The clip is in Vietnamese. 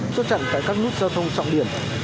xuất trận tại các nút giao thông trọng điểm